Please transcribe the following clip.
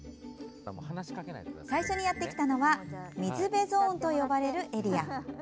最初にやってきたのは水辺ゾーンと呼ばれるエリア。